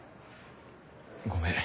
ごめん。